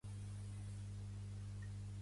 Pertany al moviment independentista la Marian?